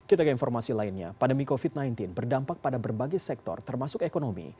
kita ke informasi lainnya pandemi covid sembilan belas berdampak pada berbagai sektor termasuk ekonomi